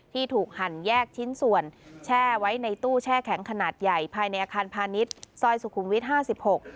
ที่ถูกหั่นแยกชิ้นส่วนแช่ไว้ในตู้แช่แข็งขนาดใหญ่ภายในอาคารพาณิชย์ซอยสุขุมวิทยห้าสิบหก